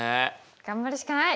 頑張るしかない！